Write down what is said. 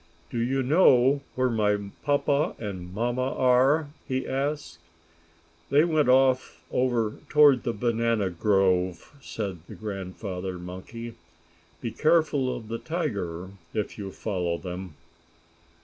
"Do you know where my papa and mamma are?" he asked. "They went off over toward the banana grove," said the grandfather monkey. "Be careful of the tiger if you follow them."